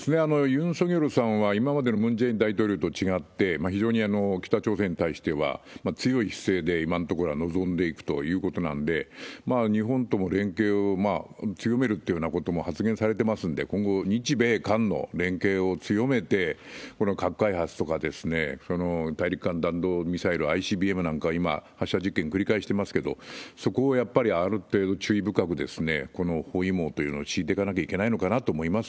ユン・ソギョルさんは、今までのムン・ジェイン大統領と違って、非常に北朝鮮に対しては強い姿勢で今のところは望んでいくということなんで、日本とも連携を強めるというようなことも発言されてますんで、今後、日米韓の連携を強めて、この核開発とか、大陸間弾道ミサイル・ＩＣＢＭなんかを今、発射実験繰り返してますけど、そこをやっぱりある程度、注意深く包囲網というのを敷いていかなきゃいけないのかなと思い